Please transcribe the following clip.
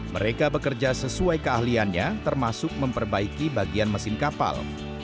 mereka bekerja sesuai keahliannya termasuk memperbaiki bagian mesin kapal